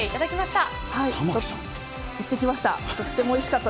行ってきました。